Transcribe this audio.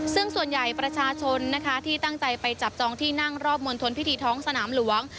ซึ่งส่วนใหญ่ประชาชนนะคะที่ตั้งใจไปจับจองที่นั่งรอบมณฑลพิธีท้องสนามหลวง